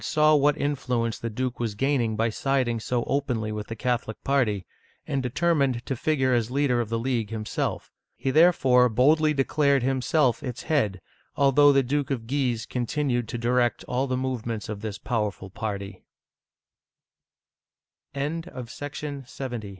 saw what influence the duke was gaining by siding so openly with the Catholic party, and determined to figure as leader of the League himself. He therefore boldly declared him self its head, although the Duke of Guise continued to direct all the movements o